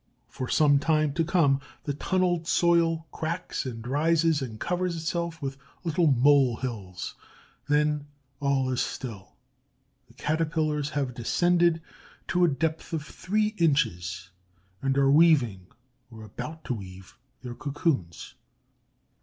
For some time to come the tunneled soil cracks and rises and covers itself with little mole hills; then all is still. The Caterpillars have descended to a depth of three inches, and are weaving, or about to weave, their cocoons.